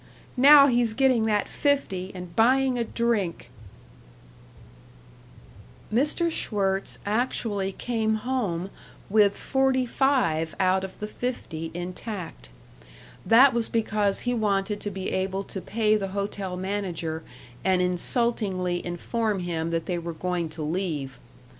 Now he's getting that fifty and buying a drink "§ 4 Mr. Schwirtz actually came home with forty five out of the fifty intact. That was because he wanted to be able to pay the hotel manager and insultingly inform him that they were going to leave....